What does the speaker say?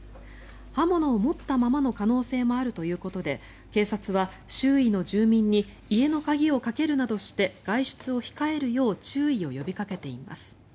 刃物を持ったままの可能性もあるということで警察は周囲の住民に家の鍵をかけるなどして外出を控えるよう注意を呼びかけています。